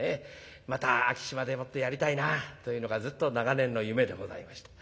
また昭島でもってやりたいなというのがずっと長年の夢でございました。